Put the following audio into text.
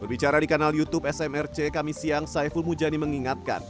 berbicara di kanal youtube smrc kami siang saiful mujani mengingatkan